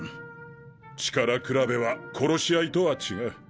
力比べは殺し合いとは違う。